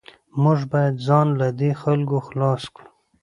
موږ باید ځان له دې خلکو خلاص کړو